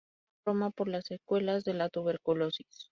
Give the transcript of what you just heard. Murió en Roma por las secuelas de la tuberculosis.